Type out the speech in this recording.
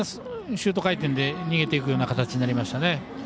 シュート回転で逃げていくような形になりましたね。